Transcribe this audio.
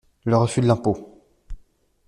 Le refus de l'impôt!